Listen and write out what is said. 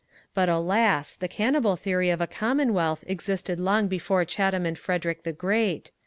But, alas! the cannibal theory of a commonwealth existed long before Chatham and Frederick the Great.